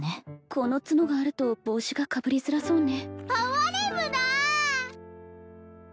この角があると帽子がかぶりづらそうね哀れむな！